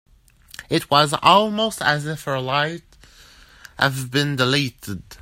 It was almost as if her life had been deleted.